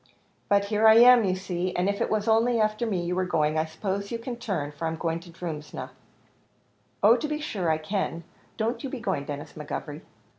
"But here I am, you see, and if it was only after me you were going, I suppose you can turn, for I'm going to Drumsna." "Oh to be sure I can; don't you be going, Denis McGovery."